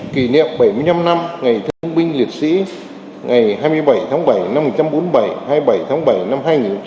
kỷ niệm bảy mươi năm năm ngày thương binh liệt sĩ ngày hai mươi bảy tháng bảy năm một nghìn chín trăm bốn mươi bảy hai mươi bảy tháng bảy năm hai nghìn hai mươi hai